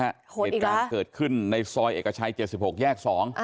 เหตุการณ์เกิดขึ้นในซอยเอกชัย๗๖แยก๒